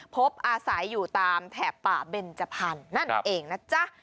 พบอาศัยอยู่ตามแถบป่าเบนจพันธุ์นั่นเองนะจ๊ะ